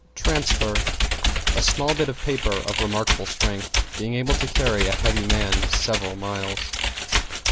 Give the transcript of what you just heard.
=TRANSFER= A small bit of paper of remarkable strength, being able to carry a heavy man several miles.